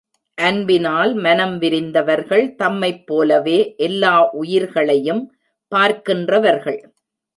அன்பினால் மனம் விரிந்தவர்கள், தம்மைப் போலவே எல்லா உயிர்களையும் பார்க்கின்றவர்கள்.